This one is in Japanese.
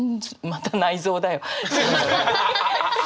また内臓だよ。